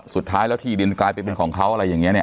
สุดท้ายแล้วที่ดินกลายเป็นของเขาอะไรอย่างนี้เนี่ย